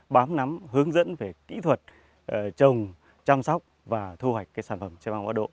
bám nắm hướng dẫn về kỹ thuật trồng chăm sóc và thu hoạch cái sản phẩm tre băng bắt độ